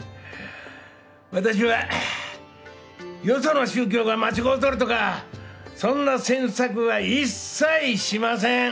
私はよその宗教が間違うとるとかそんな詮索は一切しません。